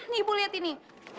nih ibu lihat ini